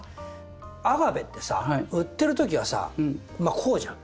アガベってさ売ってるときはさこうじゃん。